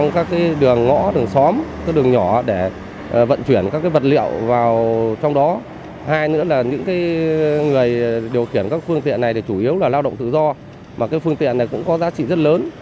các phương tiện này cũng có giá trị rất lớn